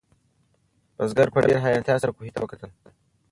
بزګر په ډېرې حیرانتیا سره کوهي ته وکتل.